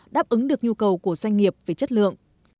đáp ứng được nhu cầu của doanh nghiệp về chất lượng